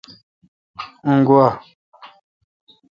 ان گا۔